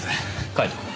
カイトくん。